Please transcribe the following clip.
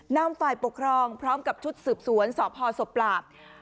นำฝ่ายปกครองพร้อมกับชุดสืบสวนสพศพปราบ